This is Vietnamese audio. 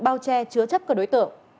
bao che chứa chấp các đối tượng